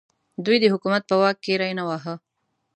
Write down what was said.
دوی د حکومت په واک کې ری نه واهه.